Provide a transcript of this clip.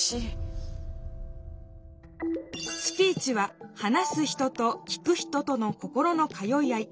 スピーチは「話す人」と「聞く人」との心の通い合い。